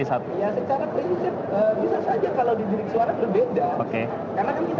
secara prinsip bisa saja kalau di bilik suara berbeda